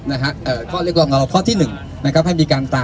เอ่อข้อเรียกร้องข้อที่หนึ่งนะครับให้มีการตา